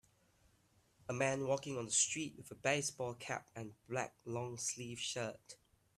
A man walking on the street with a baseball cap and black longsleeve shirt.